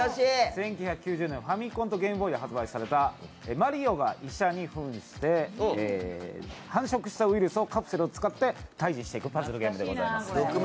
１９９０年、ファミコンとゲームボーイで発売されたマリオが医者に扮して繁殖したウイルスをカプセルを使って退治していくパズルゲームでございます。